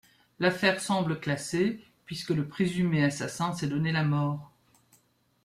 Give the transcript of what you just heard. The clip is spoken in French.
L'affaire semble classée puisque le présumé assassin s'est donné la mort.